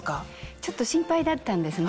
ちょっと心配だったんですね。